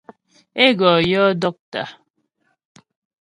Ê gɔ yɔ́ dɔ́ktà.